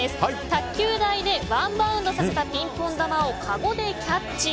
卓球台でワンバウンドさせたピンポン球をかごでキャッチ。